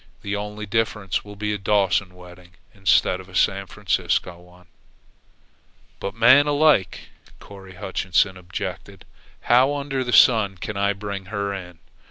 The only difference will be a Dawson wedding instead of a San Franciscan one." "But, man alike!" Corry Hutchinson objected "how under the sun can I bring her in?